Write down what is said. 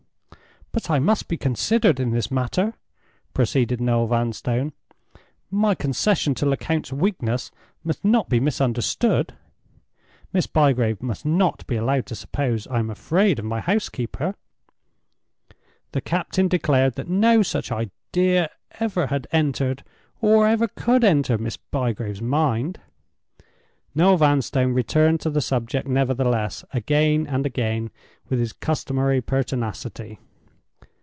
"But I must be considered in this matter," proceeded Noel Vanstone. "My concession to Lecount's weakness must not be misunderstood. Miss Bygrave must not be allowed to suppose I am afraid of my housekeeper." The captain declared that no such idea ever had entered, or ever could enter, Miss Bygrave's mind. Noel Vanstone returned to the subject nevertheless, again and again, with his customary pertinacity.